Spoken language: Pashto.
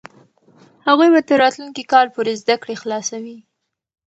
هغوی به تر راتلونکي کاله پورې زده کړې خلاصوي.